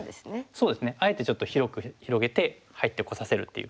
そうですねあえてちょっと広く広げて入ってこさせるっていう。